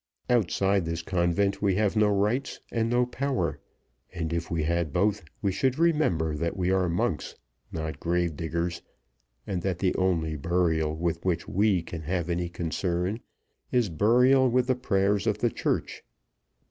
Outside this convent we have no rights and no power; and, if we had both, we should remember that we are monks, not grave diggers, and that the only burial with which we can have any concern is burial with the prayers of the Church.